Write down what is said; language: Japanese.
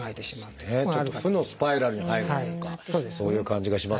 ちょっと負のスパイラルに入るというかそういう感じがしますね。